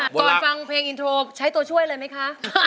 ฟังเพลงอินโทรใช้ตัวช่วยเลยไหมคะ